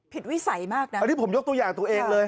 วิสัยมากนะอันนี้ผมยกตัวอย่างตัวเองเลย